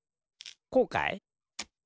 こうかい？